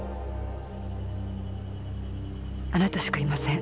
あなたしかいません。